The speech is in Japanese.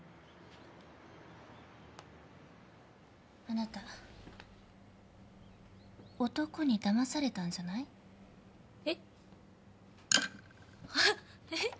あなた男にだまされたんじゃない？えっ！？